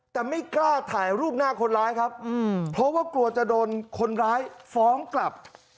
แต่ไม่กล้าถ่ายรูปหน้าคนร้ายครับเพราะว่ากลัวจะโดนคนร้ายฟ้องกลับ